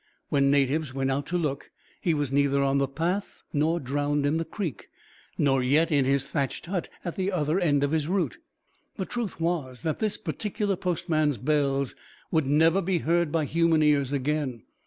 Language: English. When natives went out to look, he was neither on the path nor drowned in the creek, nor yet in his thatched hut at the other end of his route. The truth was that this particular postman's bells would never be heard by human ears again.